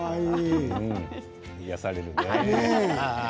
癒やされるね。